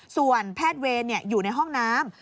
ส่วนแพทย์เวรอยู่ในห้องน้ำ